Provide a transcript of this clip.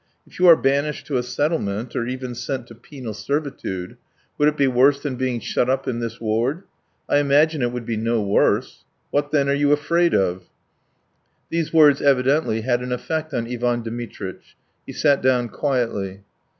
If you are banished to a settlement, or even sent to penal servitude, would it be worse than being shut up in this ward? I imagine it would be no worse. ... What, then, are you afraid of?" These words evidently had an effect on Ivan Dmitritch. He sat down quietly.